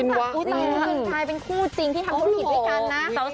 น้ำต่างผู้ชมชายเป็นคู่จริงที่ทำธุรกิจด้วยกันนะ